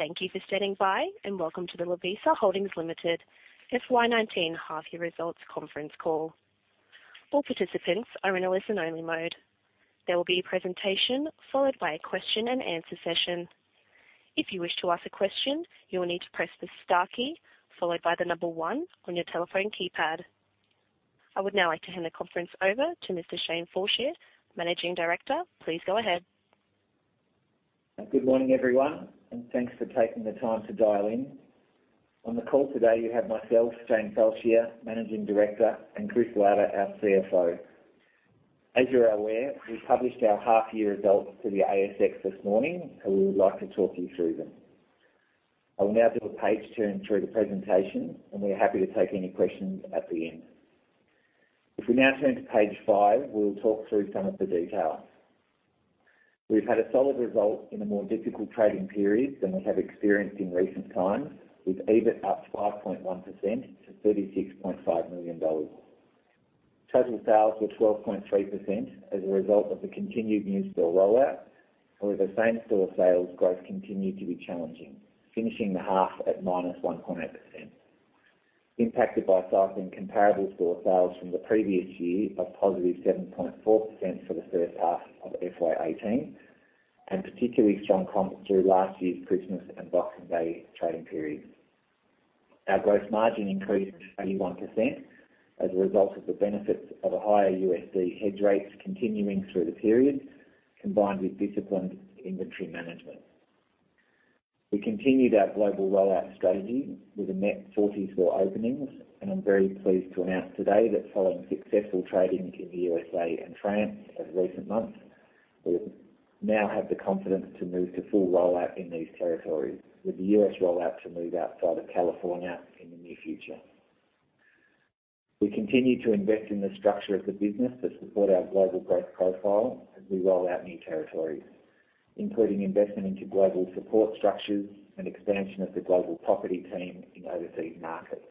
Thank you for standing by, and welcome to the Lovisa Holdings Limited FY 2019 half-year results conference call. All participants are in a listen-only mode. There will be a presentation followed by a question-and-answer session. If you wish to ask a question, you will need to press the star key followed by the number 1 on your telephone keypad. I would now like to hand the conference over to Mr. Shane Fallscheer, Managing Director. Please go ahead. Good morning, everyone, and thanks for taking the time to dial in. On the call today, you have myself, Shane Fallscheer, Managing Director, and Chris Lauder, our CFO. As you're aware, we published our half-year results to the ASX this morning, and we would like to talk you through them. I will now do a page turn through the presentation, and we are happy to take any questions at the end. If we now turn to page five, we will talk through some of the details. We've had a solid result in a more difficult trading period than we have experienced in recent times, with EBIT up 5.1% to 36.5 million dollars. Total sales were 12.3% as a result of the continued new store rollout, however same-store sales growth continued to be challenging, finishing the half at -1.8%, impacted by softness in comparable store sales from the previous year of positive 7.4% for the first half of FY 2018 and particularly strong comps through last year's Christmas and Boxing Day trading periods. Our gross margin increased 31% as a result of the benefits of higher USD hedge rates continuing through the period, combined with disciplined inventory management. We continued our global rollout strategy with a net 40 store openings, and I'm very pleased to announce today that following successful trading in the U.S.A. and France in recent months, we now have the confidence to move to full rollout in these territories, with the U.S. rollout to move outside of California in the near future. We continue to invest in the structure of the business to support our global growth profile as we roll out new territories, including investment into global support structures and expansion of the global property team in overseas markets,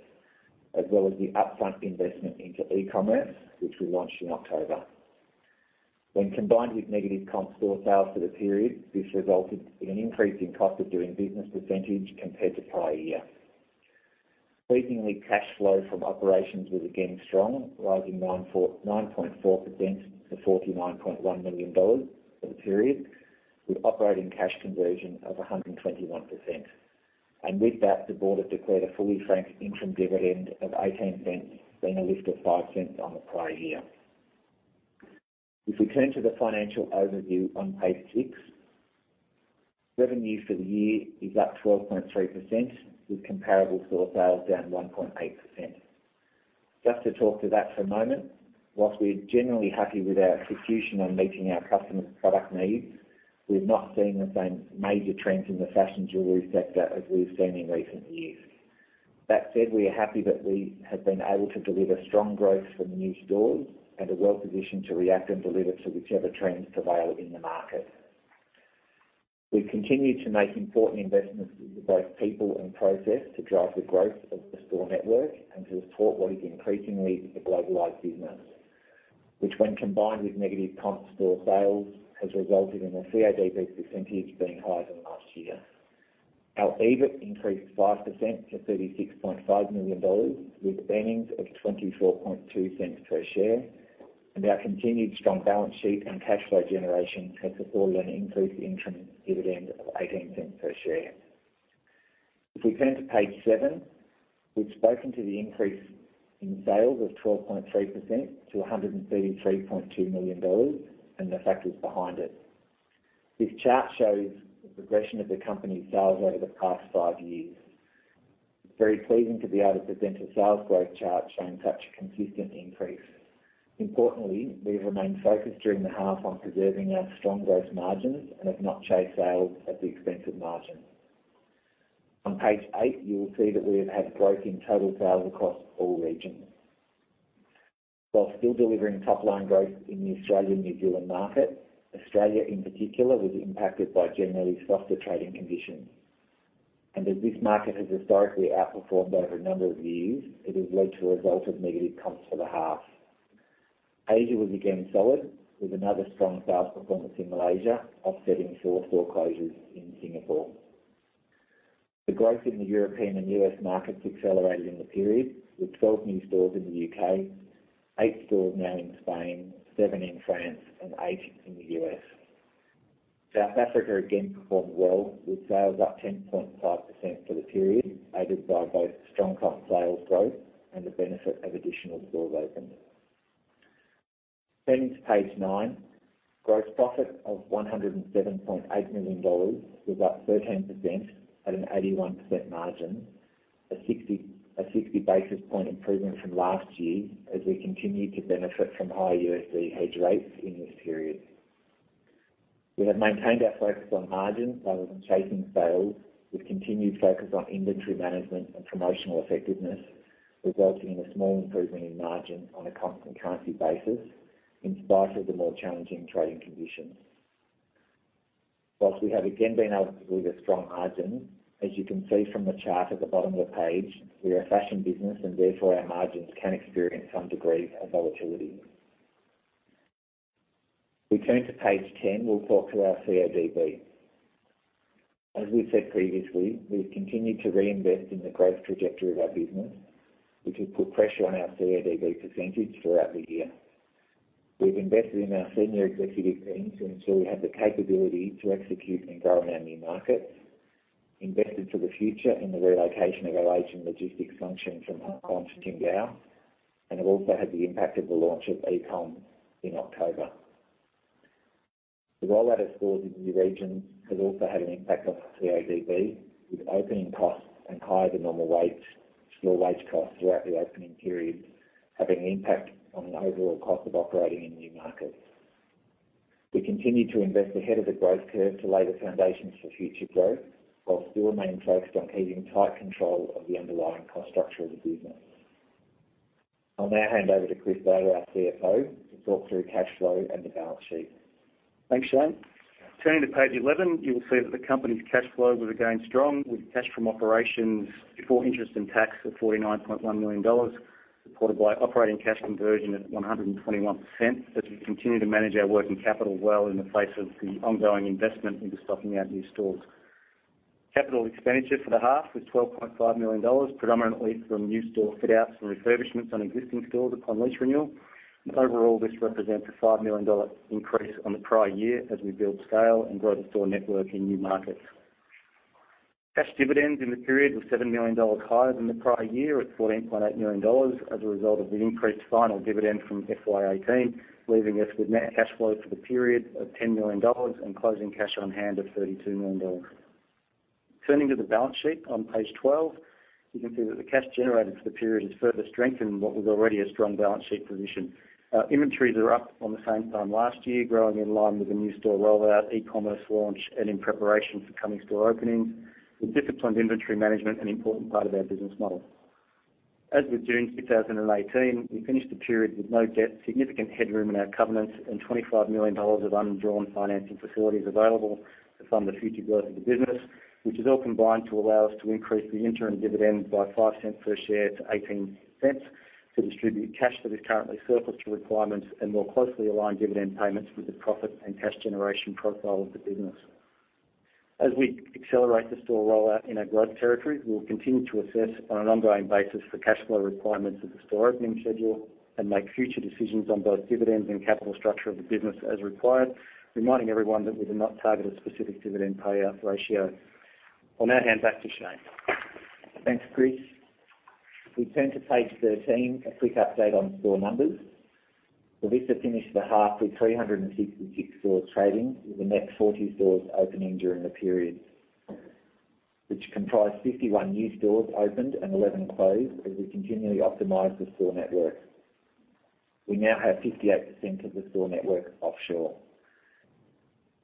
as well as the upfront investment into e-commerce, which we launched in October. When combined with negative comp store sales for the period, this resulted in an increase in cost of doing business percentage compared to prior year. Pleasingly, cash flow from operations was again strong, rising 9.4% to 49.1 million dollars for the period, with operating cash conversion of 121%. With that, the board have declared a fully franked interim dividend of 0.18, being a lift of 0.05 on the prior year. If we turn to the financial overview on page six, revenue for the year is up 12.3%, with comparable store sales down 1.8%. Just to talk to that for a moment, whilst we're generally happy with our execution on meeting our customers' product needs, we've not seen the same major trends in the fashion jewelry sector as we've seen in recent years. That said, we are happy that we have been able to deliver strong growth from the new stores and are well-positioned to react and deliver to whichever trends prevail in the market. We've continued to make important investments in both people and process to drive the growth of the store network and to support what is increasingly a globalized business, which when combined with negative comp store sales, has resulted in the CODB % being higher than last year. Our EBIT increased 5% to 36.5 million dollars with earnings of 0.242 per share. Our continued strong balance sheet and cash flow generation has supported an increased interim dividend of 0.18 per share. If we turn to page seven, we've spoken to the increase in sales of 12.3% to 133.2 million dollars and the factors behind it. This chart shows the progression of the company's sales over the past five years. Very pleasing to be able to present a sales growth chart showing such a consistent increase. Importantly, we've remained focused during the half on preserving our strong growth margins and have not chased sales at the expense of margin. On page eight, you will see that we have had growth in total sales across all regions. While still delivering top-line growth in the Australia-New Zealand market, Australia in particular was impacted by generally softer trading conditions. As this market has historically outperformed over a number of years, it has led to a result of negative comps for the half. Asia was again solid, with another strong sales performance in Malaysia offsetting store foreclosures in Singapore. The growth in the European and U.S. markets accelerated in the period, with 12 new stores in the U.K., eight stores now in Spain, seven in France, and eight in the U.S. South Africa again performed well with sales up 10.5% for the period, aided by both strong comp sales growth and the benefit of additional stores opened. Turning to page nine, gross profit of 107.8 million dollars was up 13% at an 81% margin, a 60-basis-point improvement from last year as we continued to benefit from higher USD hedge rates in this period. We have maintained our focus on margins rather than chasing sales with continued focus on inventory management and promotional effectiveness, resulting in a small improvement in margin on a constant currency basis in spite of the more challenging trading conditions. Whilst we have again been able to deliver strong margins, as you can see from the chart at the bottom of the page, we are a fashion business and therefore our margins can experience some degree of volatility. We turn to page 10. We'll talk through our CODB. As we've said previously, we've continued to reinvest in the growth trajectory of our business, which has put pressure on our CODB % throughout the year. We've invested in our senior executive team to ensure we have the capability to execute and grow in our new markets, invested for the future in the relocation of our Asian logistics function from Hong Kong to Qingdao, and have also had the impact of the launch of e-commerce in October. The rollout of stores in new regions has also had an impact on our CODB, with opening costs and higher than normal store wage costs throughout the opening period having an impact on the overall cost of operating in new markets. We continue to invest ahead of the growth curve to lay the foundations for future growth while still remaining focused on keeping tight control of the underlying cost structure of the business. I'll now hand over to Chris Lauder, our CFO, to talk through cash flow and the balance sheet. Thanks, Shane. Turning to page 11, you will see that the company's cash flow was again strong, with cash from operations before interest and tax of 49.1 million dollars, supported by operating cash conversion at 121%, as we continue to manage our working capital well in the face of the ongoing investment into stocking our new stores. Capital expenditure for the half was 12.5 million dollars, predominantly from new store fit-outs and refurbishments on existing stores upon lease renewal. Overall, this represents a 5 million dollar increase on the prior year as we build scale and grow the store network in new markets. Cash dividends in the period were 7 million dollars higher than the prior year at 14.8 million dollars as a result of the increased final dividend from FY 2018, leaving us with net cash flow for the period of 10 million dollars and closing cash on hand of 32 million dollars. Turning to the balance sheet on page 12, you can see that the cash generated for the period has further strengthened what was already a strong balance sheet position. Our inventories are up on the same time last year, growing in line with the new store rollout, e-commerce launch, and in preparation for coming store openings, with disciplined inventory management an important part of our business model. As with June 2018, we finished the period with no debt, significant headroom in our covenants, and 25 million dollars of undrawn financing facilities available to fund the future growth of the business, which has all combined to allow us to increase the interim dividend by 0.05 per share to 0.18 to distribute cash that is currently surplus to requirements and more closely align dividend payments with the profit and cash generation profile of the business. We accelerate the store rollout in our growth territories, we will continue to assess on an ongoing basis the cash flow requirements of the store opening schedule and make future decisions on both dividends and capital structure of the business as required, reminding everyone that we do not target a specific dividend payout ratio. I'll now hand back to Shane. Thanks, Chris. We turn to page 13, a quick update on store numbers. Lovisa finished the half with 366 stores trading, with a net 40 stores opening during the period, which comprised 51 new stores opened and 11 closed, as we continually optimize the store network. We now have 58% of the store network offshore.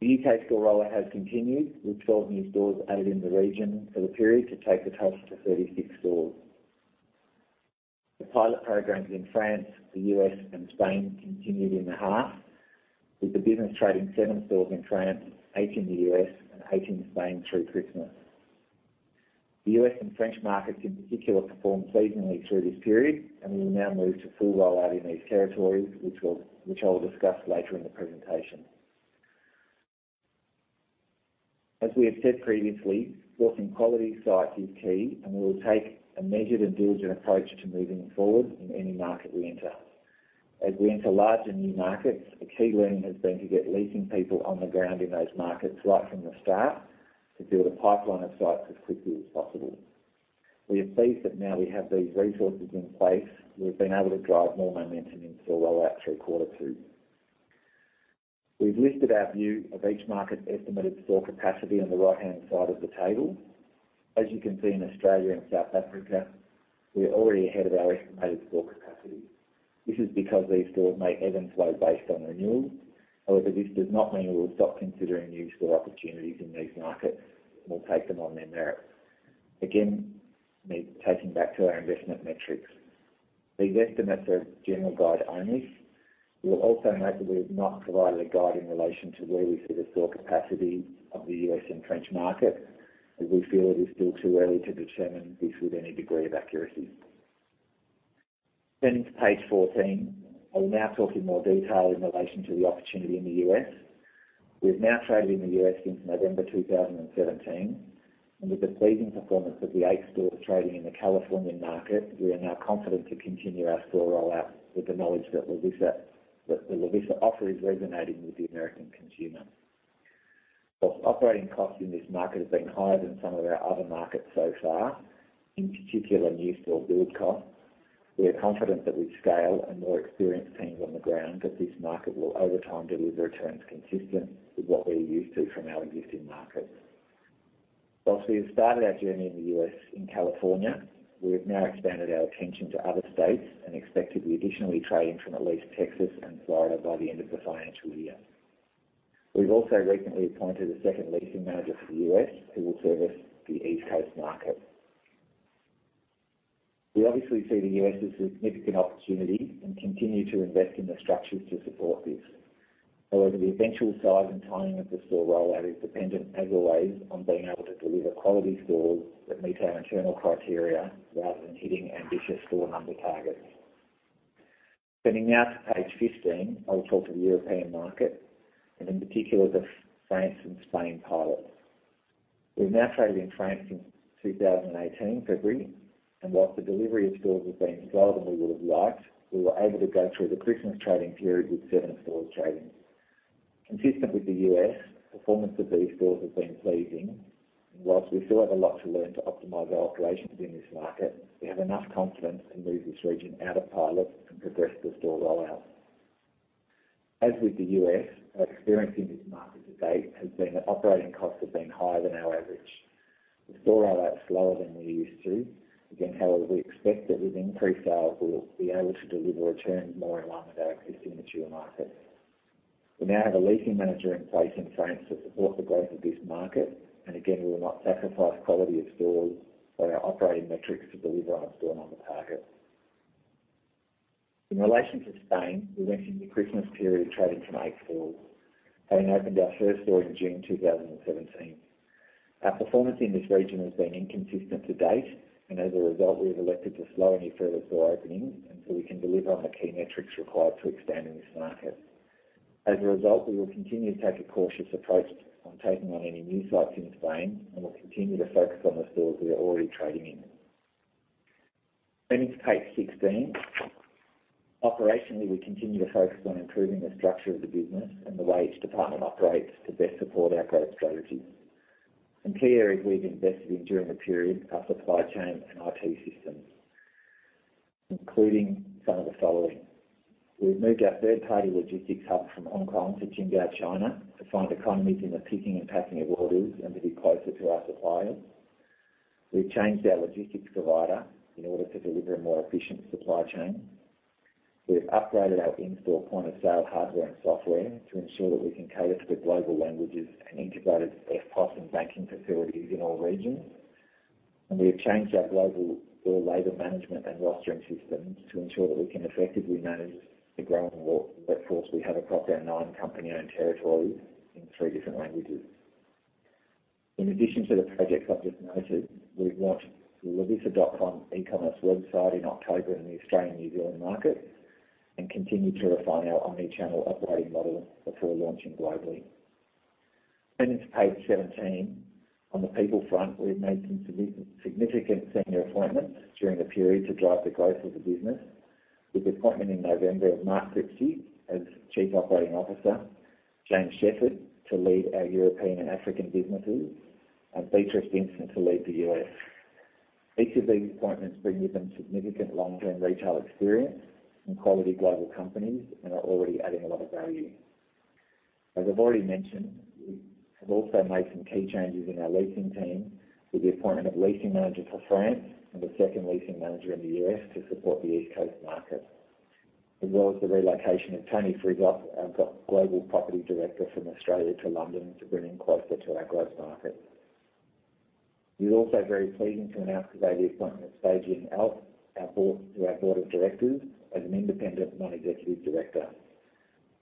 The U.K. store rollout has continued, with 12 new stores added in the region for the period to take the total to 36 stores. The pilot programs in France, the U.S., and Spain continued in the half, with the business trading seven stores in France, eight in the U.S., and eight in Spain through Christmas. The U.S. and French markets, in particular, performed seasonally through this period, and we will now move to full rollout in these territories, which I will discuss later in the presentation. As we have said previously, sourcing quality sites is key, and we will take a measured and diligent approach to moving forward in any market we enter. As we enter larger new markets, a key learning has been to get leasing people on the ground in those markets right from the start to build a pipeline of sites as quickly as possible. We are pleased that now we have these resources in place, we've been able to drive more momentum in store rollouts through quarter two. We've listed our view of each market's estimated store capacity on the right-hand side of the table. As you can see, in Australia and South Africa, we are already ahead of our estimated store capacity. This is because these stores may ebb and flow based on renewals. However, this does not mean we will stop considering new store opportunities in these markets. We'll take them on their merit. Again, me taking back to our investment metrics. These estimates are a general guide only. You will also note that we have not provided a guide in relation to where we see the store capacity of the U.S. and French market, as we feel it is still too early to determine this with any degree of accuracy. Turning to page 14, I will now talk in more detail in relation to the opportunity in the U.S. We have now traded in the U.S. since November 2017, and with the pleasing performance of the eight stores trading in the Californian market, we are now confident to continue our store rollout with the knowledge that the Lovisa offer is resonating with the American consumer. Whilst operating costs in this market have been higher than some of our other markets so far, in particular, new store build costs, we are confident that with scale and more experienced teams on the ground that this market will over time deliver returns consistent with what we are used to from our existing markets. Whilst we have started our journey in the U.S. in California, we have now expanded our attention to other states and expect to be additionally trading from at least Texas and Florida by the end of the financial year. We've also recently appointed a second leasing manager for the U.S. who will service the East Coast market. We obviously see the U.S. as a significant opportunity and continue to invest in the structures to support this. However, the eventual size and timing of the store rollout is dependent, as always, on being able to deliver quality stores that meet our internal criteria rather than hitting ambitious store number targets. Turning now to page 15, I will talk to the European market, and in particular, the France and Spain pilots. We've now traded in France since 2018, February, and whilst the delivery of stores has been slower than we would've liked, we were able to go through the Christmas trading period with seven stores trading. Consistent with the U.S., performance of these stores has been pleasing. Whilst we still have a lot to learn to optimize our operations in this market, we have enough confidence to move this region out of pilot and progress the store rollout. As with the U.S., our experience in this market to date has been that operating costs have been higher than our average. The store rollout is slower than we're used to. Again, however, we expect that with increased sales, we will be able to deliver returns more in line with our existing mature markets. We now have a leasing manager in place in France to support the growth of this market. Again, we will not sacrifice quality of stores or our operating metrics to deliver on store number targets. In relation to Spain, we went into the Christmas period trading from eight stores, having opened our first store in June 2017. Our performance in this region has been inconsistent to date. As a result, we have elected to slow any further store openings until we can deliver on the key metrics required to expand in this market. As a result, we will continue to take a cautious approach on taking on any new sites in Spain. We will continue to focus on the stores we are already trading in. Turning to page 16. Operationally, we continue to focus on improving the structure of the business and the way each department operates to best support our growth strategies. Some key areas we've invested in during the period are supply chain and IT systems, including some of the following. We've moved our third-party logistics hub from Hong Kong to Qingdao, China, to find economies in the picking and packing of orders and to be closer to our suppliers. We've changed our logistics provider in order to deliver a more efficient supply chain. We've upgraded our in-store point-of-sale hardware and software to ensure that we can cater to the global languages and integrated EFTPOS and banking facilities in all regions. We have changed our global store labor management and rostering systems to ensure that we can effectively manage the growing workforce we have across our nine company-owned territories in three different languages. In addition to the projects I've just noted, we've launched the Lovisa.com e-commerce website in October in the Australian and New Zealand market. We continue to refine our omni-channel operating model before launching globally. Turning to page 17. On the people front, we've made some significant senior appointments during the period to drive the growth of the business with the appointment in November of Mark Cripsey as Chief Operating Officer, James Shepherd to lead our European and African businesses, and Beatrice Vincent to lead the U.S. Each of these appointments bring with them significant long-term retail experience in quality global companies and are already adding a lot of value. As I've already mentioned, we have also made some key changes in our leasing team with the appointment of a leasing manager for France and a second leasing manager in the U.S. to support the East Coast market, as well as the relocation of Tony Frigault, our Global Property Director, from Australia to London to bring him closer to our growth markets. We're also very pleased to announce today the appointment of Sei Jin Alt to our board of directors as an independent non-executive director.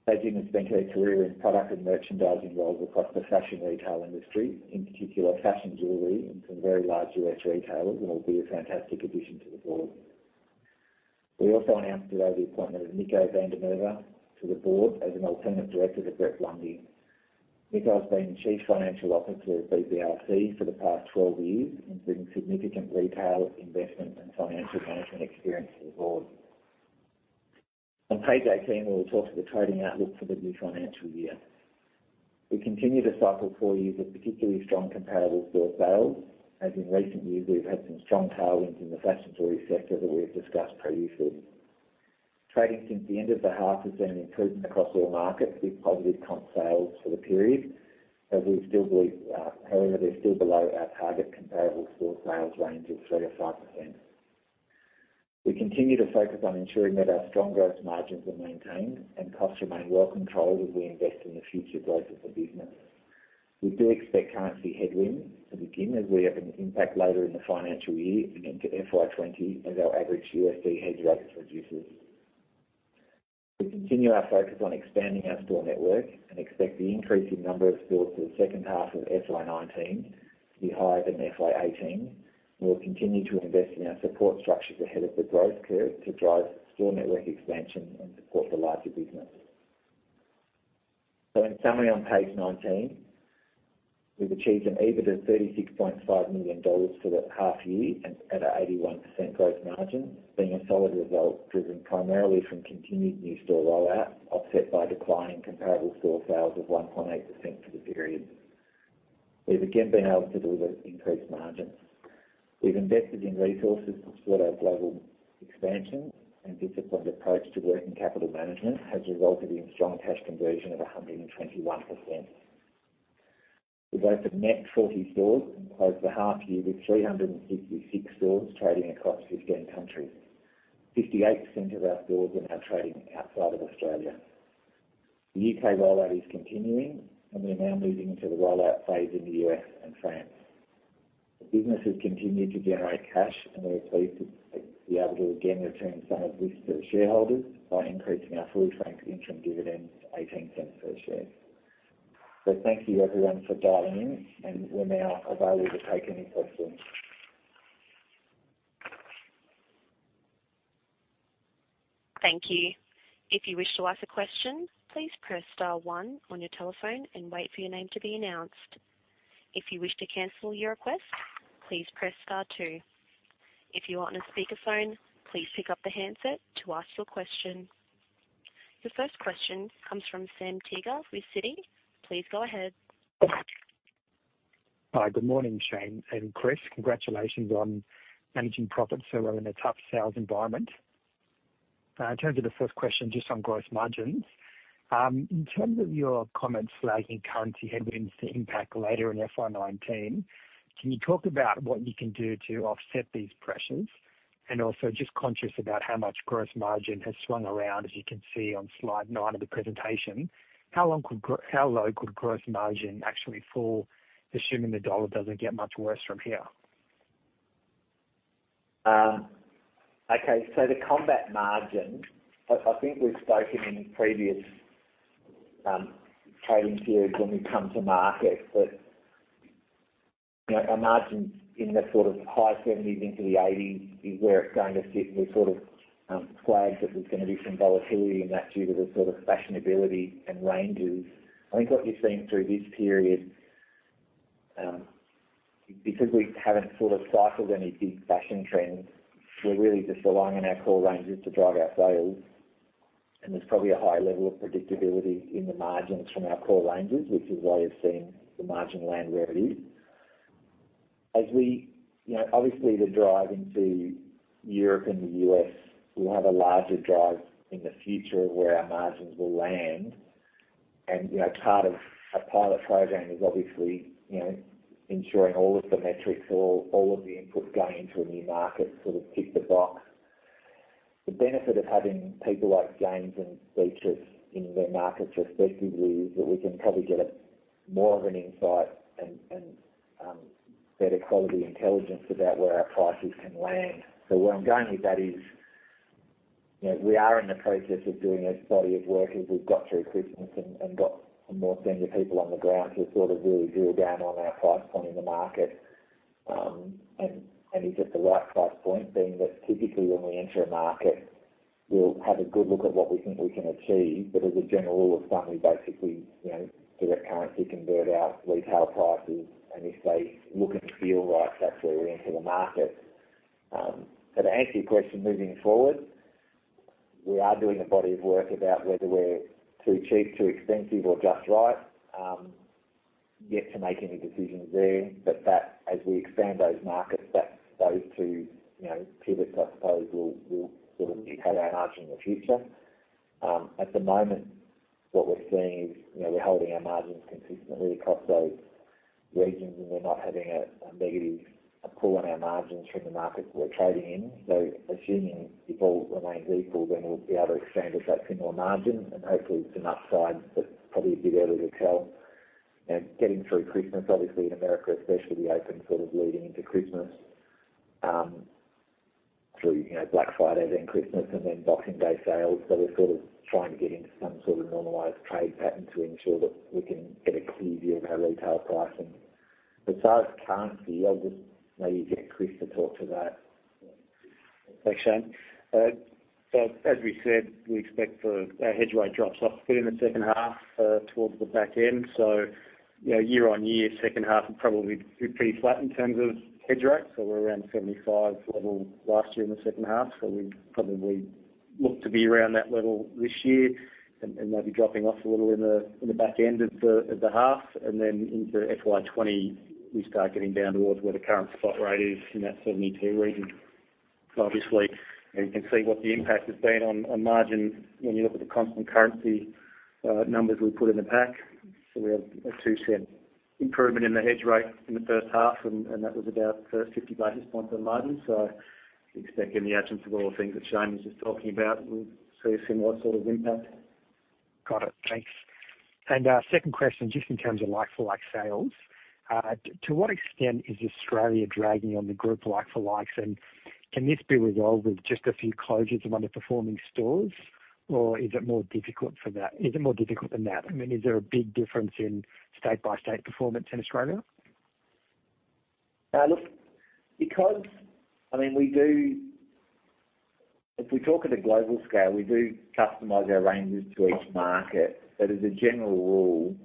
Sei Jin has spent her career in product and merchandising roles across the fashion retail industry, in particular fashion jewelry in some very large U.S. retailers and will be a fantastic addition to the board. We also announced today the appointment of Nico van der Merwe to the board as an alternate director to Brett Blundy. Nico has been the Chief Financial Officer at BBRC for the past 12 years and brings significant retail investment and financial management experience to the board. On page 18, we will talk to the trading outlook for the new financial year. We continue to cycle four years of particularly strong comparable store sales, as in recent years we've had some strong tailwinds in the fashion jewelry sector that we've discussed previously. Trading since the end of the half has seen an improvement across all markets with positive comp sales for the period. However, they're still below our target comparable store sales range of 3%-5%. We continue to focus on ensuring that our strong growth margins are maintained and costs remain well controlled as we invest in the future growth of the business. We do expect currency headwind to begin as we have an impact later in the financial year and into FY 2020 as our average USD hedge rate reduces. We continue our focus on expanding our store network and expect the increase in number of stores for the second half of FY 2019 to be higher than FY 2018. We'll continue to invest in our support structures ahead of the growth curve to drive store network expansion and support the larger business. In summary, on page 19, we've achieved an EBIT of 36.5 million dollars for the half-year at an 81% growth margin, being a solid result driven primarily from continued new store rollout, offset by declining comparable store sales of 1.8% for the period. We've again been able to deliver increased margins. We've invested in resources to support our global expansion and disciplined approach to working capital management has resulted in strong cash conversion of 121%. We've opened net 40 stores and closed the half year with 366 stores trading across 15 countries. 58% of our stores are now trading outside of Australia. The U.K. rollout is continuing, and we are now moving into the rollout phase in the U.S. and France. The business has continued to generate cash, and we're pleased to be able to again return some of this to the shareholders by increasing our full-franked interim dividend to AUD 0.18 per share. Thank you, everyone, for dialing in, and we're now available to take any questions. Thank you. If you wish to ask a question, please press star one on your telephone and wait for your name to be announced. If you wish to cancel your request, please press star two. If you are on a speakerphone, please pick up the handset to ask your question. Your first question comes from Sam Teeger with Citi. Please go ahead. Hi. Good morning, Shane and Chris. Congratulations on managing profits so well in a tough sales environment. In terms of the first question, just on gross margins. In terms of your comments flagging currency headwinds to impact later in FY 2019, can you talk about what you can do to offset these pressures? Also just conscious about how much gross margin has swung around, as you can see on slide nine of the presentation. How low could gross margin actually fall, assuming the dollar doesn't get much worse from here? The combat margin, I think we've spoken in previous trading periods when we've come to market, that a margin in the high 70s into the 80s is where it's going to sit, and we sort of flagged that there's going to be some volatility in that due to the sort of fashionability and ranges. I think what you're seeing through this period, because we haven't sort of cycled any big fashion trends, we're really just relying on our core ranges to drive our sales. There's probably a higher level of predictability in the margins from our core ranges, which is why you're seeing the margin land where it is. Obviously, the drive into Europe and the U.S. will have a larger drive in the future of where our margins will land. Part of a pilot program is obviously ensuring all of the metrics or all of the inputs going into a new market sort of tick the box. The benefit of having people like James and Beatrice in their markets respectively is that we can probably get more of an insight and better quality intelligence about where our prices can land. Where I'm going with that is, we are in the process of doing a body of work as we've got through Christmas and got more senior people on the ground to sort of really drill down on our price point in the market, and is it the right price point, being that typically when we enter a market, we'll have a good look at what we think we can achieve. As a general rule of thumb, we basically direct currency-convert our retail prices, and if they look and feel right, that's where we enter the market. To answer your question moving forward, we are doing a body of work about whether we're too cheap, too expensive, or just right. Yet to make any decisions there, as we expand those markets those two pivots, I suppose, will sort of dictate our margin in the future. At the moment, what we're seeing is we're holding our margins consistently across those regions, and we're not having a negative pull on our margins from the markets we're trading in. Assuming it all remains equal, we'll be able to expand at that similar margin and hopefully some upside, probably a bit early to tell. Getting through Christmas, obviously in America especially, we open sort of leading into Christmas, through Black Friday, then Christmas, and then Boxing Day sales. As far as currency, I'll just maybe get Chris Lauder to talk to that. Thanks, Shane Fallscheer. As we said, we expect our hedge rate drops off a bit in the second half towards the back end. Year-on-year, second half will probably be pretty flat in terms of hedge rate. We're around 75-level last year in the second half. We probably look to be around that level this year and maybe dropping off a little in the back end of the half. Into FY 2020, we start getting down towards where the current spot rate is in that 72 region. Obviously, you can see what the impact has been on margin when you look at the constant currency numbers we put in the pack. We have an 0.02 improvement in the hedge rate in the first half, and that was about 50 basis points on margin. Expect in the absence of all the things that Shane Fallscheer was just talking about, we'll see a similar sort of impact. Got it. Thanks. Second question, just in terms of like-for-like sales. To what extent is Australia dragging on the group like-for-likes? Can this be resolved with just a few closures of underperforming stores? Is it more difficult than that? I mean, is there a big difference in state-by-state performance in Australia? Look, if we talk at a global scale, we do customize our ranges to each market. As a general rule,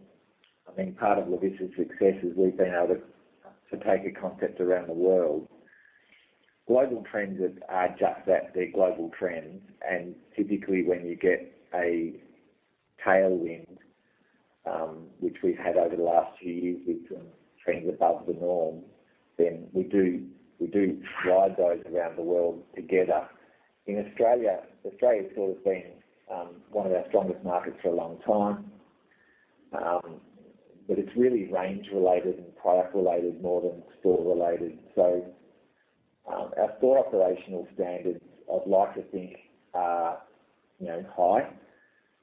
I think part of Lovisa's success is we've been able to take a concept around the world. Global trends are just that, they're global trends. Typically, when you get a tailwind, which we've had over the last few years with trends above the norm, we do ride those around the world together. Australia has sort of been one of our strongest markets for a long time. It's really range related and product related more than store related. Our store operational standards, I'd like to think are high.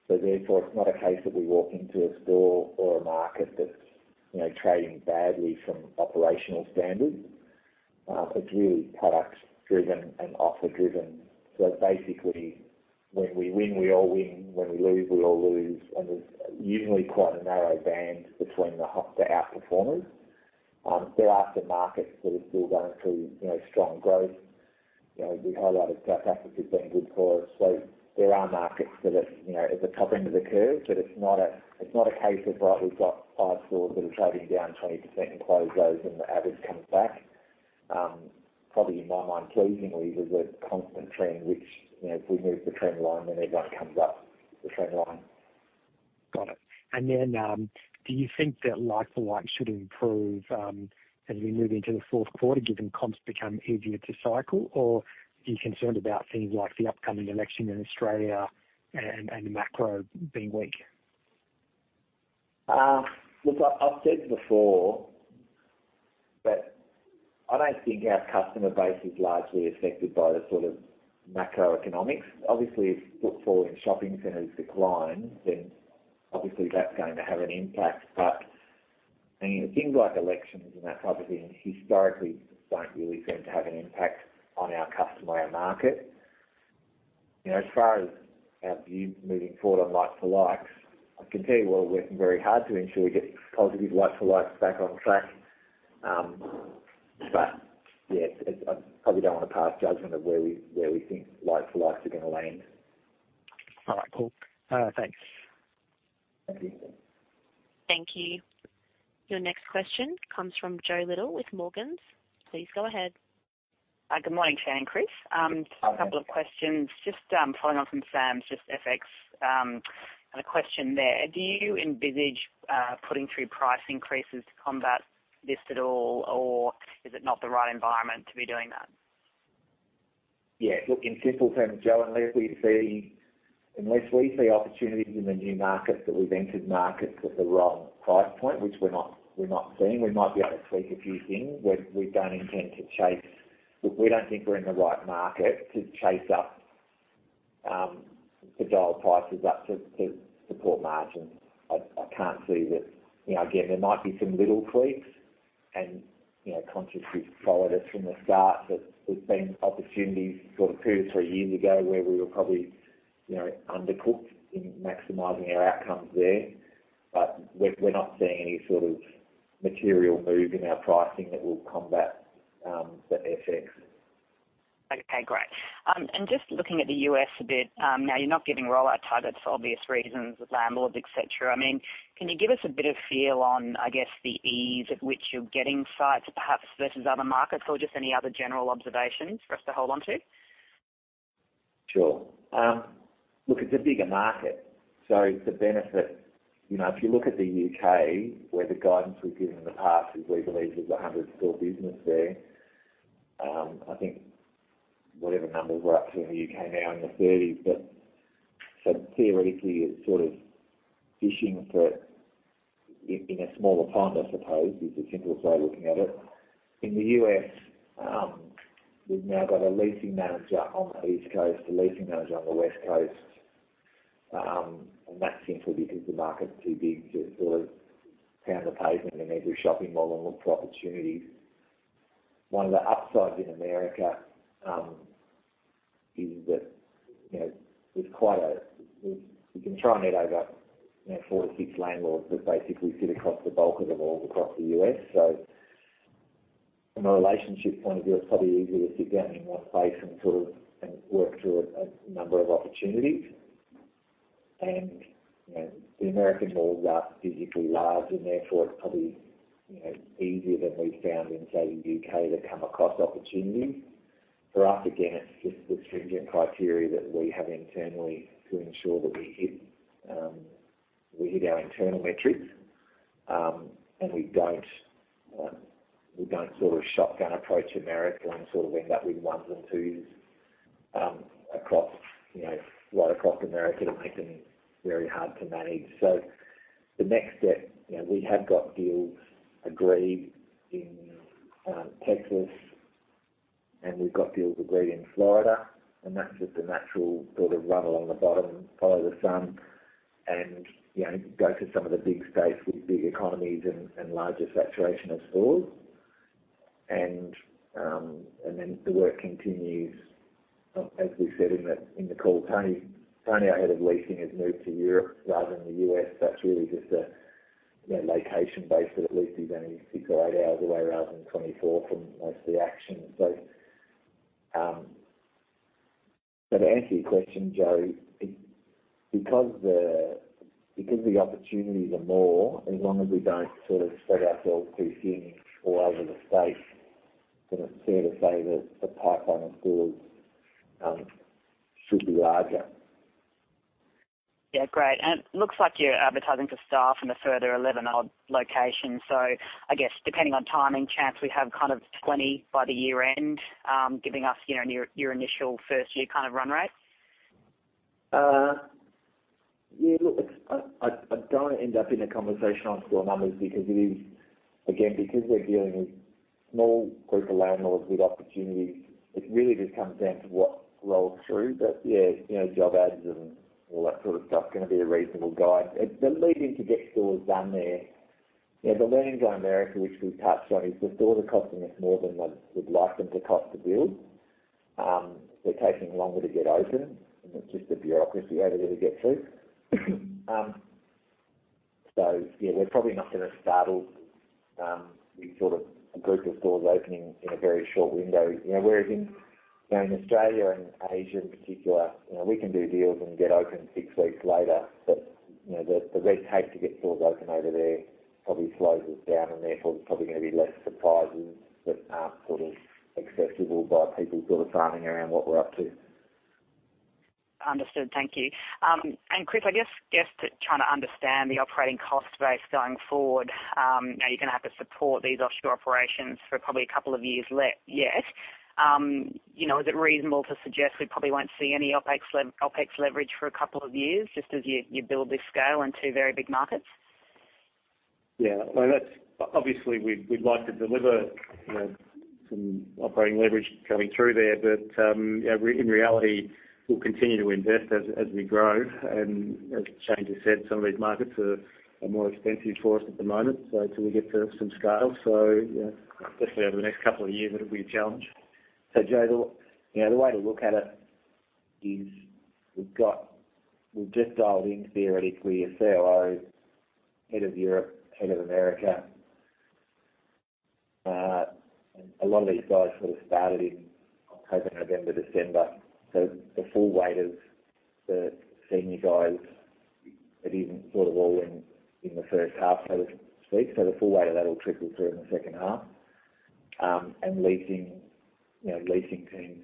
Therefore, it's not a case that we walk into a store or a market that's trading badly from operational standards. It's really product driven and offer driven. When we win, we all win. When we lose, we all lose. There's usually quite a narrow band between the out-performers. There are some markets that are still going through strong growth. We highlighted South Africa as being good for us. There are markets that are at the top end of the curve, it's not a case of, right, we've got five stores that are trading down 20%, close those, the average comes back. Probably, in my mind, pleasingly, there's a constant trend, which if we move the trend line, everyone comes up the trend line. Got it. Do you think that like-for-like should improve as we move into the fourth quarter, given comps become easier to cycle, are you concerned about things like the upcoming election in Australia and the macro being weak? Look, I've said before that I don't think our customer base is largely affected by the sort of macroeconomics. Obviously, if footfall in shopping centers declines, obviously that's going to have an impact. Things like elections and that type of thing historically don't really seem to have an impact on our customer, our market. As far as our views moving forward on like-for-likes, I can tell you we're working very hard to ensure we get positive like-for-likes back on track. Yeah, I probably don't want to pass judgment of where we think like-for-likes are going to land. All right, cool. Thanks. Thank you. Thank you. Your next question comes from Jo Little with Morgans. Please go ahead. Good morning, Shane and Chris. Morning. A couple of questions. Just following on from Sam's, just FX and a question there. Do you envisage putting through price increases to combat this at all, or is it not the right environment to be doing that? Yeah. Look, in simple terms, Jo, unless we see opportunities in the new markets that we've entered markets at the wrong price point, which we're not seeing, we might be able to tweak a few things. We don't intend to chase. Look, we don't think we're in the right market to chase up the dial prices up to support margins. I can't see that. Again, there might be some little tweaks and consciously followed us from the start that there's been opportunities sort of two to three years ago where we were probably undercooked in maximizing our outcomes there. We're not seeing any sort of material move in our pricing that will combat that FX. Okay, great. Just looking at the U.S. a bit, now you're not giving rollout targets for obvious reasons with landlords, et cetera. Can you give us a bit of feel on, I guess, the ease at which you're getting sites perhaps versus other markets or just any other general observations for us to hold on to? Sure. Look, it's a bigger market, the benefit. If you look at the U.K., where the guidance we've given in the past is we believe there's a 100-store business there. I think whatever numbers we're up to in the U.K. now in the 30s, but theoretically it's sort of fishing for in a smaller pond, I suppose, is the simple way of looking at it. In the U.S., we've now got a leasing manager on the East Coast, a leasing manager on the West Coast, and that's simply because the market's too big to sort of pound the pavement in every shopping mall and look for opportunities. One of the upsides in America, we can try and net over 4 to 6 landlords that basically sit across the bulk of the malls across the U.S. From a relationship point of view, it's probably easier to sit down in one place and talk and work through a number of opportunities. The American malls are physically large and therefore it's probably easier than we've found in, say, the U.K. to come across opportunities. For us, again, it's just the stringent criteria that we have internally to ensure that we hit our internal metrics. We don't sort of shotgun approach America and sort of end up with 1s and 2s right across America. That makes them very hard to manage. The next step, we have got deals agreed in Texas, and we've got deals agreed in Florida, and that's just a natural sort of run along the bottom, follow the sun and go to some of the big states with big economies and larger saturation of stores. Then the work continues. As we said in the call, Tony, our head of leasing, has moved to Europe rather than the U.S. That's really just a location base, but at least he's only six or eight hours away rather than 24 from most of the action. To answer your question, Jo, because the opportunities are more, as long as we don't sort of spread ourselves too thin all over the States, then it's fair to say that the pipeline of stores should be larger. Yeah. Great. It looks like you're advertising for staff in a further 11 odd locations. I guess depending on timing, chance we have kind of 20 by the year-end, giving us your initial first year kind of run rate? Yeah. Look, I don't want to end up in a conversation on store numbers because it is. Again, because we're dealing with small group of landlords with opportunities, it really just comes down to what rolls through. Yeah, job ads, all that sort of stuff is going to be a reasonable guide. The lead-in to get stores done there. The learnings on America, which we've touched on, is the stores are costing us more than we'd like them to cost to build. They're taking longer to get open, and it's just the bureaucracy over there to get through. Yeah, we're probably not going to start a big sort of group of stores opening in a very short window. Whereas in Australia and Asia in particular, we can do deals and get open six weeks later. The red tape to get stores open over there probably slows us down and therefore there's probably going to be less surprises that aren't accessible by people sort of farming around what we're up to. Understood. Thank you. Chris, I guess just trying to understand the operating cost base going forward, you're going to have to support these offshore operations for probably a couple of years yet. Is it reasonable to suggest we probably won't see any OpEx leverage for a couple of years just as you build this scale in two very big markets? Yeah. Obviously, we'd like to deliver some operating leverage coming through there, but in reality, we'll continue to invest as we grow. As Shane has said, some of these markets are more expensive for us at the moment, so till we get to some scale. Yeah, especially over the next couple of years, it'll be a challenge. Jo, the way to look at it is we've just dialed in theoretically a COO, head of Europe, head of America. A lot of these guys sort of started in October, November, December. The full weight of the senior guys that even sort of all in the first half, so to speak. The full weight of that will trickle through in the second half. Leasing teams,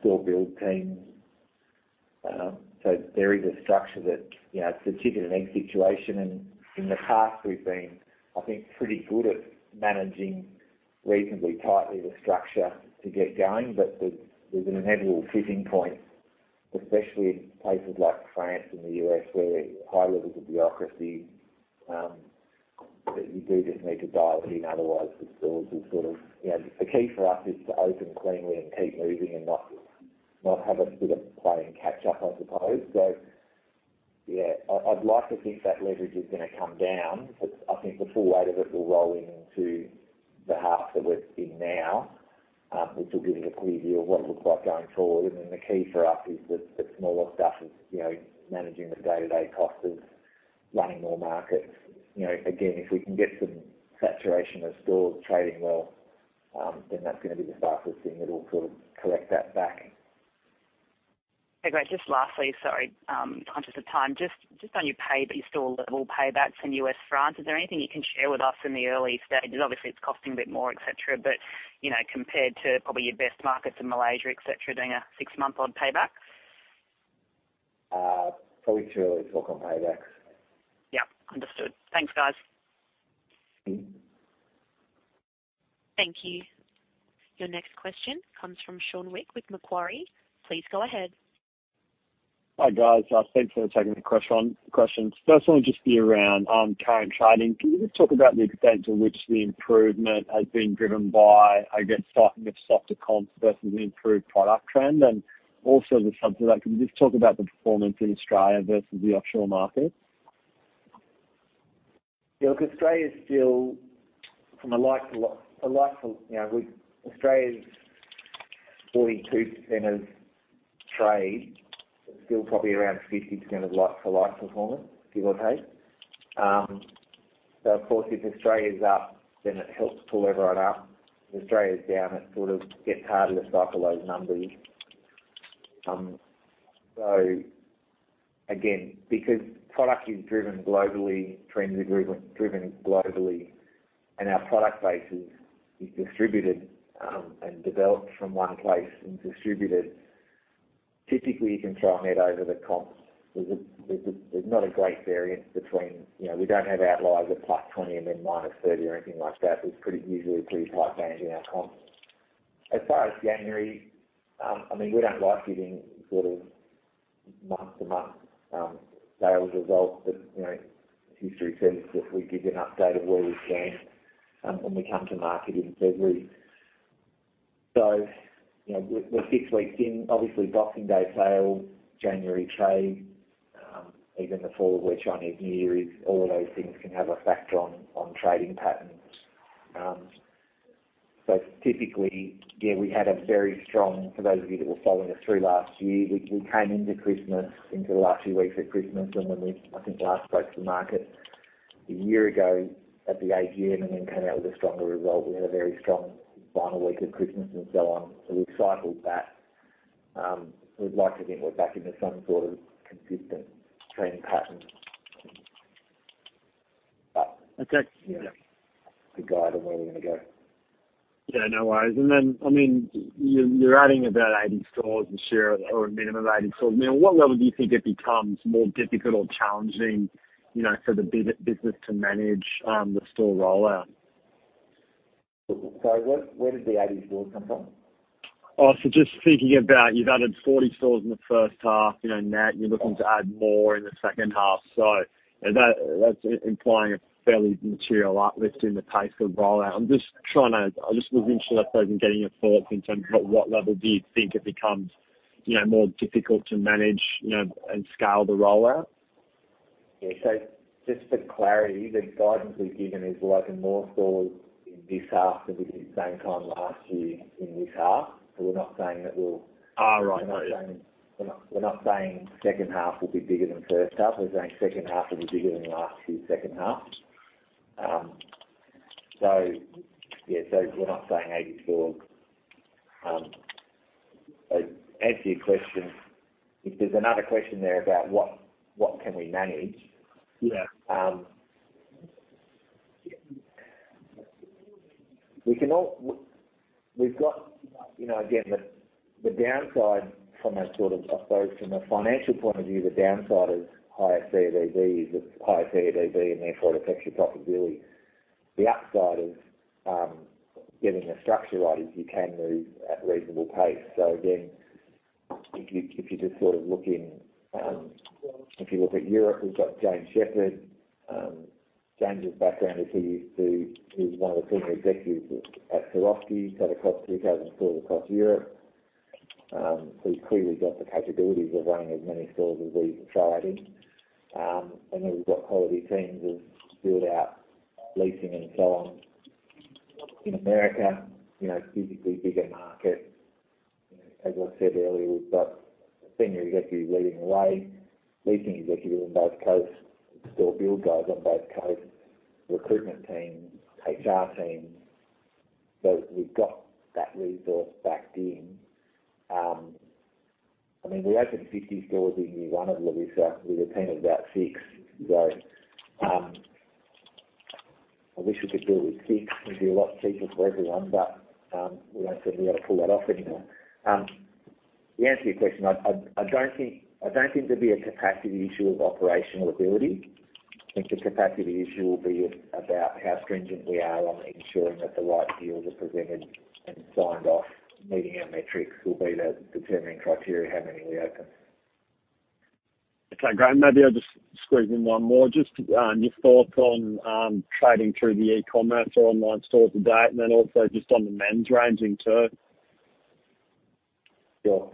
store build teams. There is a structure that, it's a chicken and egg situation, and in the past we've been, I think, pretty good at managing reasonably tightly the structure to get going. There's an inevitable tipping point, especially in places like France and the U.S., where there are high levels of bureaucracy, that you do just need to dial it in, otherwise the stores will. The key for us is to open cleanly and keep moving and not have a sort of play and catch up, I suppose. Yeah, I'd like to think that leverage is going to come down, but I think the full weight of it will roll into the half that we're in now, which will give us a clear view of what it looks like going forward. Then the key for us is the smaller stuff is managing the day-to-day cost of running more markets. Again, if we can get some saturation of stores trading well, then that's going to be the fastest thing that will sort of correct that back. Okay, great. Just lastly, sorry, conscious of time, just on your pay, but your store level paybacks in U.S., France, is there anything you can share with us in the early stages? Obviously, it's costing a bit more, et cetera, but compared to probably your best markets in Malaysia, et cetera, doing a six-month on payback. Probably too early to talk on paybacks. Yep, understood. Thanks, guys. Thank you. Your next question comes from Sean Wick with Macquarie. Please go ahead. Hi, guys. Thanks for taking the question. Firstly, just year around current trading, can you just talk about the extent to which the improvement has been driven by, again, starting with softer comps versus improved product trend and also the subset, can you just talk about the performance in Australia versus the offshore markets? Yeah, look, Australia is still from a like for Australia's 42% of trade, still probably around 50% of like for like performance, give or take. Of course, if Australia's up, then it helps pull everyone up. If Australia's down, it sort of gets harder to cycle those numbers. Again, because product is driven globally, trends are driven globally, and our product base is distributed and developed from one place and distributed. Typically, you can trial net over the comps. There's not a great variance between. We don't have outliers of +20 and then -30 or anything like that. It's usually a pretty tight range in our comps. As far as January, we don't like giving sort of month-to-month sales results, but history says that we give you an update of where we stand when we come to market in February. We're six weeks in. Obviously, Boxing Day sale, January trade, even the fall of where Chinese New Year is, all of those things can have a factor on trading patterns. Typically, yeah, we had a very strong, for those of you that were following us through last year, we came into Christmas, into the last few weeks at Christmas, and when we, I think, last spoke to the market a year ago at the AGM and then came out with a stronger result. We had a very strong final week of Christmas and so on. We've cycled that. We'd like to think we're back into some sort of consistent trading pattern. Okay. Yeah. A guide on where we're gonna go. Yeah, no worries. Then, you're adding about 80 stores this year or a minimum of 80 stores. At what level do you think it becomes more difficult or challenging, for the business to manage the store rollout? Sorry, where did the 80 stores come from? Just thinking about, you've added 40 stores in the first half, now you're looking to add more in the second half. That's implying a fairly material uplift in the pace of rollout. I was interested, I suppose, in getting your thoughts in terms of at what level do you think it becomes more difficult to manage and scale the rollout? Just for clarity, the guidance we've given is we'll open more stores in this half than we did same time last year in this half. We're not saying second half will be bigger than first half. We're saying second half will be bigger than last year's second half. We're not saying 80 stores. To answer your question, if there's another question there about what can we manage- Yeah From a financial point of view, the downside of higher CODB is it's higher CODB, and therefore it affects your profitability. The upside of getting the structure right is you can move at reasonable pace. If you look at Europe, we've got James Shepherd. James' background is he used to be one of the senior executives at Swarovski. He's had across 3,000 stores across Europe. He's clearly got the capabilities of running as many stores as we've tried in. We've got quality teams who've built out leasing and so on. In America, it's a physically bigger market. As I said earlier, we've got a senior executive leading the way, leasing executive on both coasts, store build guys on both coasts, recruitment team, HR team. We've got that resource backed in. We opened 50 stores in year one of Lovisa with a team of about six. I wish we could do it with six. It'd be a lot cheaper for everyone, but we don't think we've got to pull that off anymore. To answer your question, I don't think there'd be a capacity issue of operational ability. I think the capacity issue will be about how stringent we are on ensuring that the right deals are presented and signed off. Meeting our metrics will be the determining criteria how many we open. Okay, great. Maybe I'll just squeeze in one more. Just your thoughts on trading through the e-commerce or online store to date, and then also just on the men's range in turn. Sure.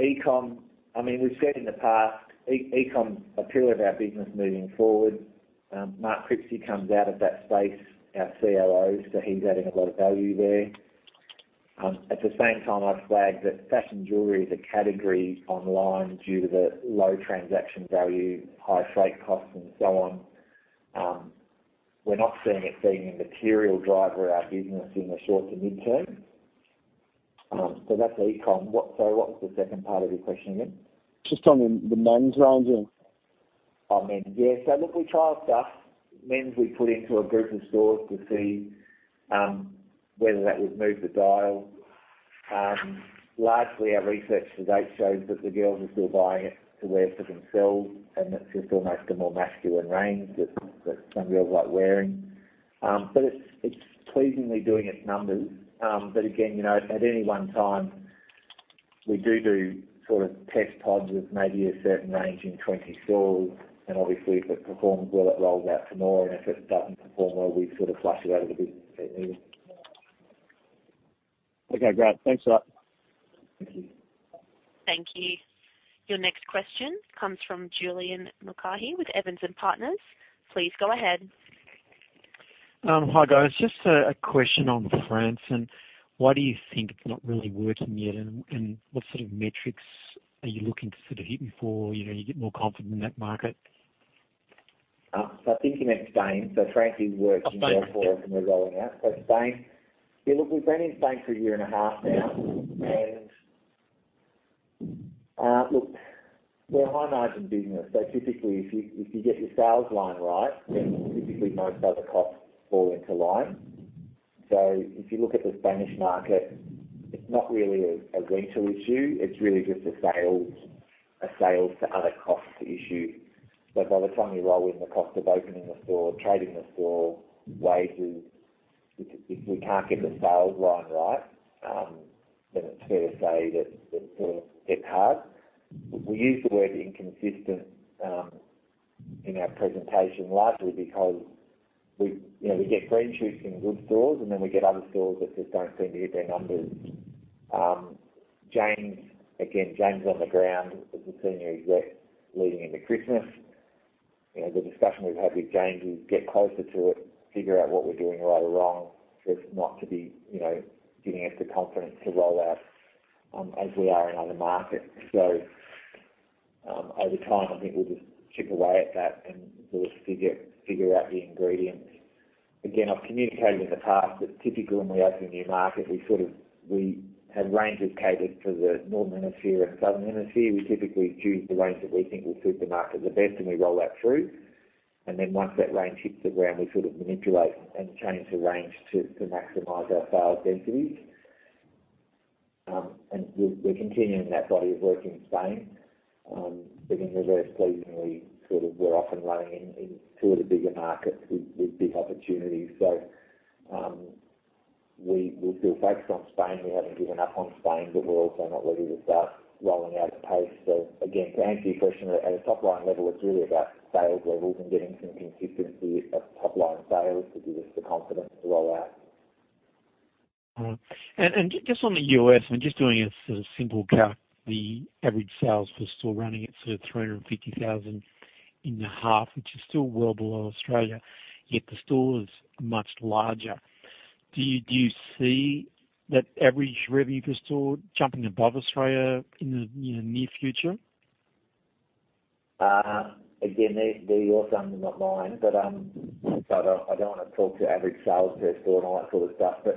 e-com, we've said in the past, e-com's a pillar of our business moving forward. Mark Cripsey comes out of that space, our COO, he's adding a lot of value there. At the same time, I've flagged that fashion jewelry is a category online due to the low transaction value, high freight costs, and so on. We're not seeing it being a material driver of our business in the short to midterm. That's e-com. What was the second part of your question again? Just on the men's range. Oh, men's. Yeah. Look, we trial stuff. Men's we put into a group of stores to see whether that would move the dial. Largely, our research to date shows that the girls are still buying it to wear for themselves, and it's just almost a more masculine range that some girls like wearing. It's pleasingly doing its numbers. Again, at any one time, we do test pods with maybe a certain range in 20 stores, and obviously, if it performs well, it rolls out some more, and if it doesn't perform well, we flush it out of the business if needed. Okay, great. Thanks a lot. Thank you. Thank you. Your next question comes from Julian Mulcahy with Evans and Partners. Please go ahead. Hi, guys. Just a question on France. Why do you think it's not really working yet? What sort of metrics are you looking to hit before you get more confident in that market? I think you meant Spain. France is working- Oh, Spain. well for us, and we're rolling out. Spain. Yeah, look, we've been in Spain for a year and a half now. Look, we're a high-margin business, typically, if you get your sales line right, then typically most other costs fall into line. If you look at the Spanish market, it's not really a rental issue, it's really just a sales to other costs issue. By the time you roll in the cost of opening the store, trading the store, wages, if we can't get the sales line right, then it's fair to say that it's hard. We use the word inconsistent in our presentation, largely because we get green shoots in good stores, and then we get other stores that just don't seem to hit their numbers. James, again, James on the ground as a senior exec leading into Christmas. The discussion we've had with James is get closer to it, figure out what we're doing right or wrong for it not to be giving us the confidence to roll out as we are in other markets. Over time, I think we'll just chip away at that and figure out the ingredients. Again, I've communicated in the past that typically when we open a new market, we have ranges catered to the northern hemisphere and southern hemisphere. We typically choose the range that we think will suit the market the best, and we roll that through. Once that range hits the ground, we manipulate and change the range to maximize our sales densities. We're continuing that body of work in Spain. We're very pleasingly off and running in two of the bigger markets with big opportunities. We feel focused on Spain. We haven't given up on Spain, but we're also not ready to start rolling out at pace. Again, to answer your question, at a top-line level, it's really about sales levels and getting some consistency of top-line sales to give us the confidence to roll out. All right. Just on the U.S. and just doing a simple calc, the average sales per store running at sort of 350,000 in the half, which is still well below Australia, yet the store is much larger. Do you see that average revenue per store jumping above Australia in the near future? Again, they're your sums not mine, but I don't want to talk to average sales per store and all that sort of stuff.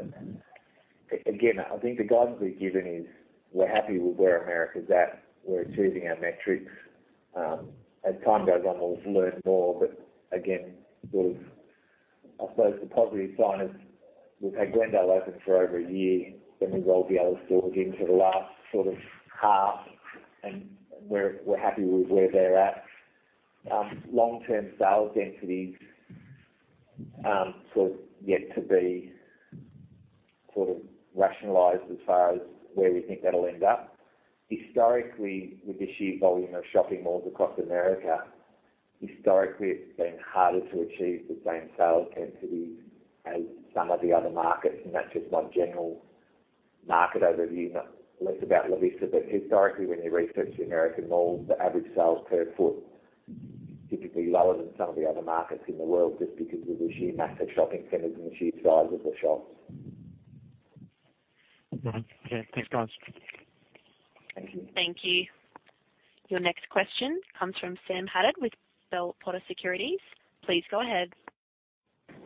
Again, I think the guidance we've given is we're happy with where America's at. We're achieving our metrics. As time goes on, we'll learn more, but again, I suppose the positive sign is we've had Glendale open for over a year, then we rolled the other stores into the last half, and we're happy with where they're at. Long-term sales densities sort of yet to be rationalized as far as where we think that'll end up. Historically, with the sheer volume of shopping malls across America, historically, it's been harder to achieve the same sales densities as some of the other markets, and that's just my general market overview, not less about Lovisa. Historically, when you research the American malls, the average sales per foot typically lower than some of the other markets in the world, just because of the sheer massive shopping centers and the sheer size of the shops. Right. Yeah. Thanks, guys. Thank you. Thank you. Your next question comes from Sam Haddad with Bell Potter Securities. Please go ahead.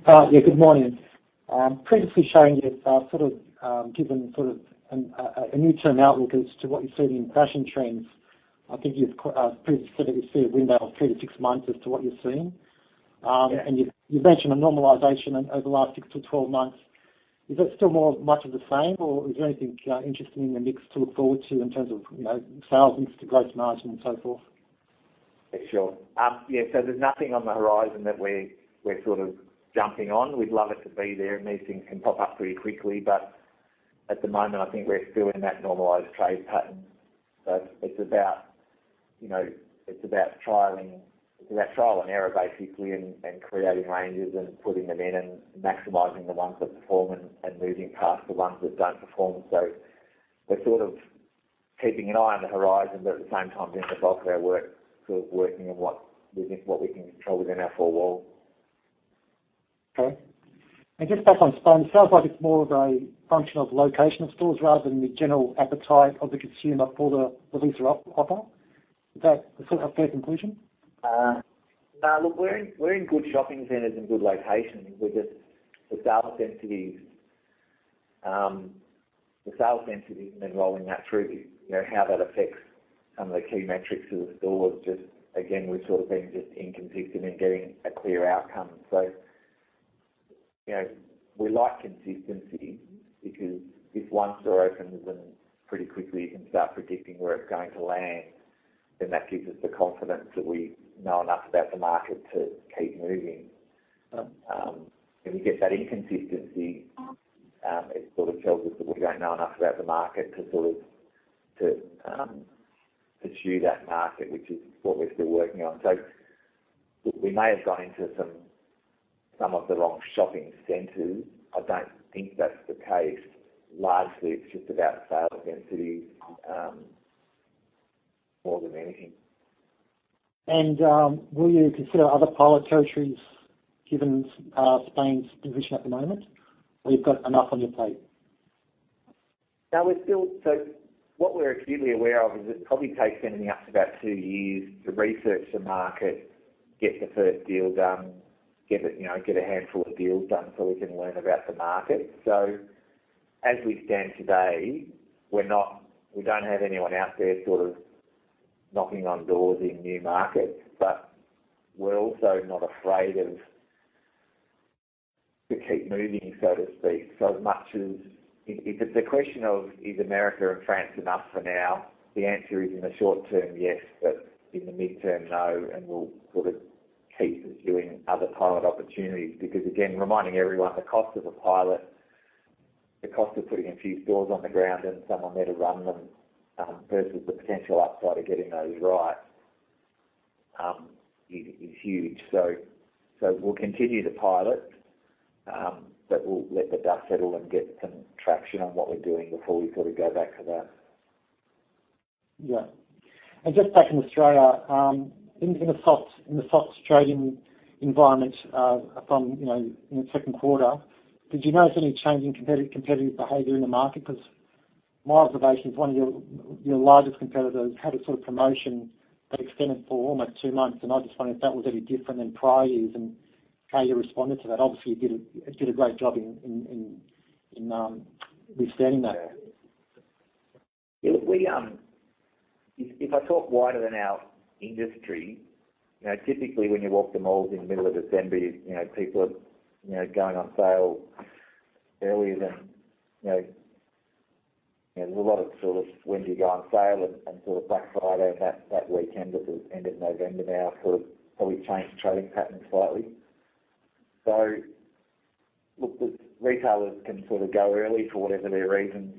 Yeah, good morning. Previously Shane, given a new term outlook as to what you're seeing in fashion trends, I think you've previously said that you see a window of 3-6 months as to what you're seeing. Yeah. You've mentioned a normalization over the last six to twelve months. Is that still more much of the same, or is there anything interesting in the mix to look forward to in terms of sales mix to gross margin and so forth? Sure. Yeah, there's nothing on the horizon that we're jumping on. We'd love it to be there, and these things can pop up pretty quickly. At the moment, I think we're still in that normalized trade pattern. It's about trial and error, basically, and creating ranges and putting them in and maximizing the ones that perform and moving past the ones that don't perform. We're sort of keeping an eye on the horizon, but at the same time, doing the bulk of our work, working on what we can control within our four walls. Okay. Just back on Spain, sounds like it's more of a function of location of stores rather than the general appetite of the consumer for the Lovisa offer. Is that a fair conclusion? No, look, we're in good shopping centers and good locations with the sales densities and rolling that through. How that affects some of the key metrics of the stores, just again, we've sort of been just inconsistent in getting a clear outcome. We like consistency because if one store opens, and pretty quickly you can start predicting where it's going to land, then that gives us the confidence that we know enough about the market to keep moving. When we get that inconsistency, it sort of tells us that we don't know enough about the market to pursue that market, which is what we're still working on. Look, we may have gone into some of the wrong shopping centers. I don't think that's the case. Largely, it's just about sales density more than anything. Will you consider other pilot territories given Spain's position at the moment, or you've got enough on your plate? What we're acutely aware of is it probably takes anything up to about 2 years to research the market, get the 1st deal done, get a handful of deals done so we can learn about the market. As we stand today, we don't have anyone out there sort of knocking on doors in new markets, but we're also not afraid to keep moving, so to speak, so as much as If the question of is America and France enough for now? The answer is in the short term, yes, but in the midterm, no, and we'll keep pursuing other pilot opportunities. Again, reminding everyone the cost of a pilot, the cost of putting a few stores on the ground and someone there to run them, versus the potential upside of getting those right, is huge. We'll continue to pilot, but we'll let the dust settle and get some traction on what we're doing before we go back to that. Yeah. Just back in Australia, in the soft trading environment from 2nd quarter, did you notice any change in competitive behavior in the market? My observation is one of your largest competitors had a promotion that extended for almost 2 months, and I just wonder if that was any different than prior years and how you responded to that. Obviously, you did a great job in withstanding that. Yeah. If I talk wider than our industry, typically, when you walk the malls in the middle of December, people are going on sale earlier. There's a lot of when do you go on sale and Black Friday and that weekend that end of November now probably changed the trading pattern slightly. Look, the retailers can go early for whatever their reasons.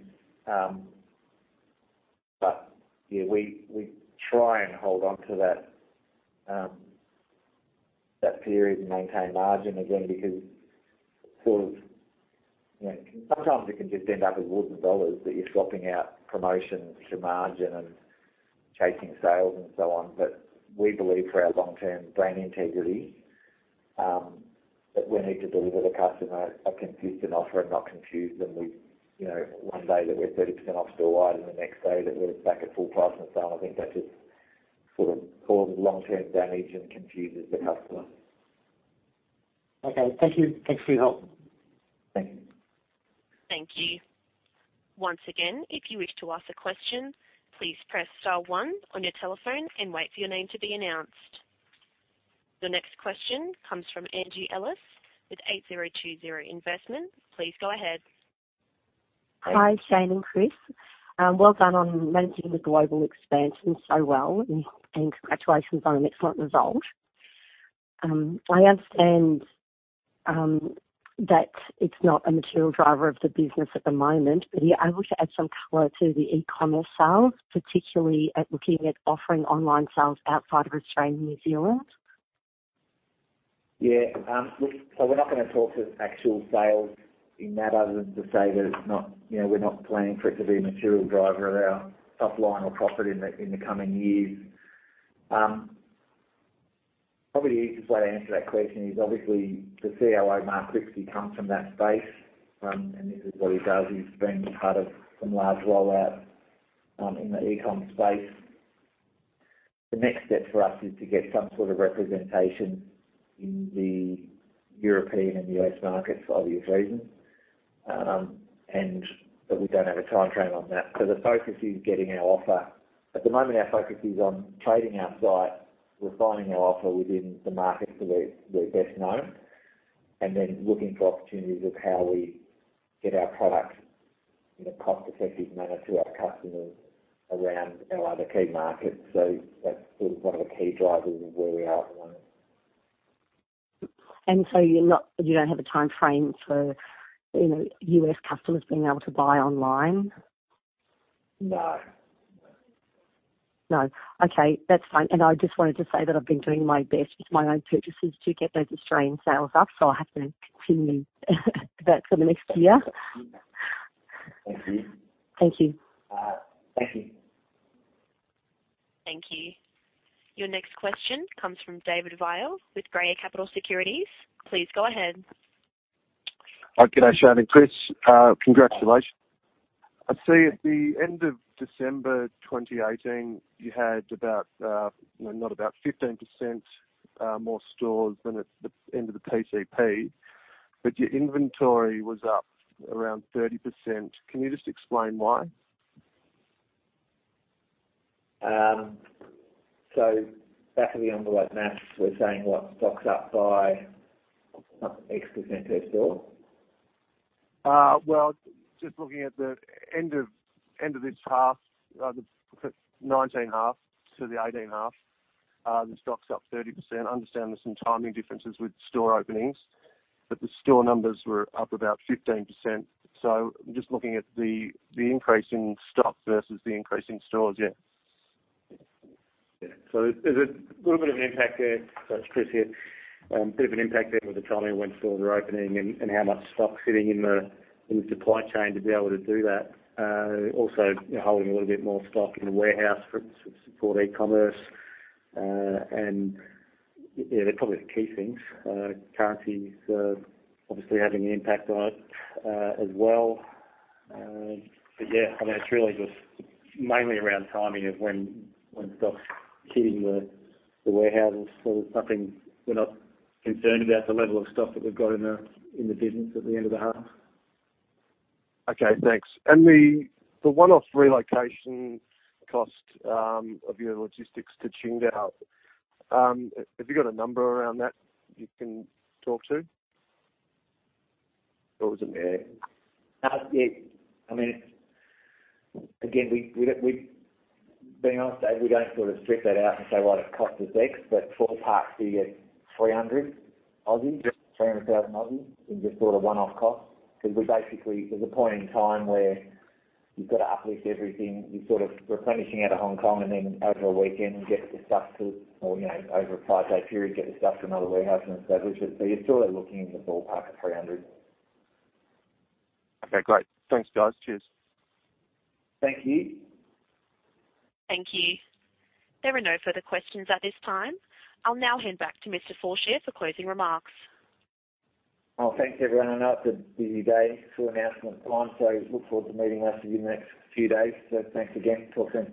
Yeah, we try and hold onto that period and maintain margin again, because sometimes it can just end up as wooden dollars that you're swapping out promotions for margin and chasing sales and so on. We believe for our long-term brand integrity, that we need to deliver the customer a consistent offer and not confuse them with, one day that we're 30% off store wide and the next day that we're back at full price and so on. I think that just sort of causes long-term damage and confuses the customer. Okay, thank you. Thanks for your help. Thank you. Thank you. Once again, if you wish to ask a question, please press star one on your telephone and wait for your name to be announced. The next question comes from Angie Ellis with 8020 Invest. Please go ahead. Hi, Shane and Chris. Well done on managing the global expansion so well, and congratulations on an excellent result. I understand that it's not a material driver of the business at the moment, but are you able to add some color to the e-commerce sales, particularly at looking at offering online sales outside of Australia and New Zealand? Yeah. We're not going to talk to actual sales in that other than to say that we're not planning for it to be a material driver of our top line or profit in the coming years. Probably the easiest way to answer that question is obviously the COO, Mark Cripsey, comes from that space. This is what he does. He's been part of some large rollout in the e-com space. The next step for us is to get some sort of representation in the European and U.S. markets for obvious reasons. We don't have a timeframe on that. The focus is getting our offer. At the moment, our focus is on trading our site, refining our offer within the markets that we're best known, looking for opportunities of how we get our product in a cost-effective manner to our customers around our other key markets. That's one of the key drivers of where we are at the moment. You don't have a timeframe for U.S. customers being able to buy online? No. No. Okay, that's fine. I just wanted to say that I've been doing my best with my own purchases to get those Australian sales up, so I have to continue that for the next year. Thank you. Thank you. Thank you. Thank you. Your next question comes from David Vile with Greer Capital Securities. Please go ahead. Hi. Good day, Shane and Chris. Congratulations. I see at the end of December 2018, you had about 15% more stores than at the end of the PCP, but your inventory was up around 30%. Can you just explain why? Back of the envelope math, we're saying what? Stock's up by X% per store? Well, just looking at the end of this path, the 19 half to the 18 half, the stock's up 30%. I understand there's some timing differences with store openings, but the store numbers were up about 15%. I'm just looking at the increase in stock versus the increase in stores. There's a little bit of an impact there. It's Chris here. A bit of an impact there with the timing of when stores were opening and how much stock sitting in the supply chain to be able to do that. Also, holding a little bit more stock in the warehouse for support e-commerce. They're probably the key things. Currency is obviously having an impact on it as well. I mean, it's really just mainly around timing of when stock's hitting the warehouse. We're not concerned about the level of stock that we've got in the business at the end of the half. Okay, thanks. The one-off relocation cost of your logistics to Qingdao, have you got a number around that you can talk to? It was in there. Again, being honest, Dave, we don't sort of strip that out and say, well, it cost us X, but ballpark figure 300,000 in just sort of one-off cost. Because basically, there's a point in time where you've got to uplift everything. You're sort of replenishing out of Hong Kong and then over a weekend, you get the stuff to or over a five-day period, get the stuff to another warehouse and establish it. You're sort of looking in the ballpark of 300. Okay, great. Thanks, guys. Cheers. Thank you. Thank you. There are no further questions at this time. I'll now hand back to Mr. Fallscheer for closing remarks. Well, thanks, everyone. I know it's a busy day for announcement time, so look forward to meeting rest of you in the next few days. Thanks again. Talk soon.